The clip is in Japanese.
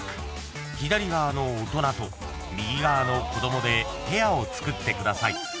［左側の大人と右側の子供でペアを作ってください］